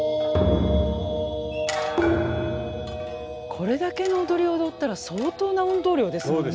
これだけの踊りを踊ったら相当な運動量ですもんね。